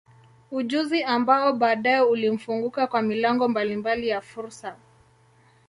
Ujuzi ambao baadaye ulimfunguka kwa milango mbalimbali ya fursa.